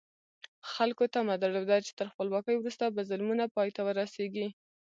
خلکو تمه درلوده چې تر خپلواکۍ وروسته به ظلمونه پای ته ورسېږي.